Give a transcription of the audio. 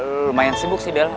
lumayan sibuk sih del